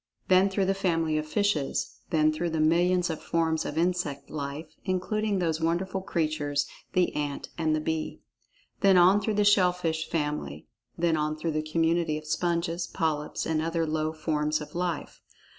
Then through the family of fishes. Then through the millions of forms of insect life, including those wonderful creatures, the ant and the bee. Then on through the shell fish family. Then on through the community of sponges, polyps, and other low forms of life.